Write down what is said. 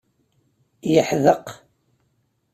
Yeḥdeq.